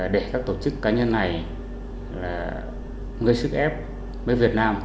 để các tổ chức cá nhân này gây sức ép với việt nam